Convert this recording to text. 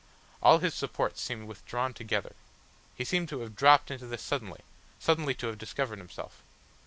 All his supports seemed withdrawn together; he seemed to have dropped into this suddenly, suddenly to have discovered himself.